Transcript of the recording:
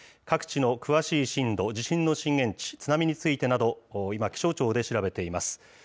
各地の詳しい震度、地震の震源地、津波についてなど、今、気象庁で調べています。